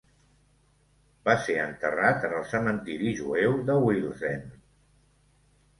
Va ser enterrat en el cementiri jueu de Willesden.